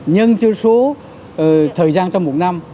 nhưng chưa số thời gian trong một năm